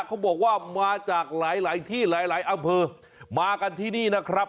เขาบอกว่ามาจากหลายหลายที่หลายหลายอำเภอมากันที่นี่นะครับ